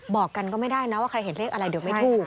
บอกกันก็ไม่ได้นะว่าใครเห็นเลขอะไรเดี๋ยวไม่ถูก